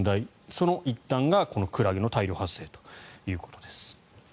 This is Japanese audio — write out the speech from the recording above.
その一端が、このクラゲの大量発生ということです。